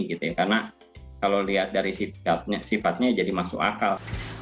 karena kalau lihat dari sifatnya jadi masuk akal